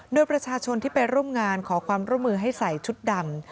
โดยประชาชนที่ไปร่วมงานขอความร่วมมือให้ใส่ชุดดำ